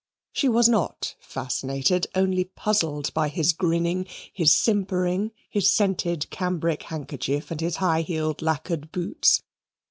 She was not fascinated, only puzzled, by his grinning, his simpering, his scented cambric handkerchief, and his high heeled lacquered boots.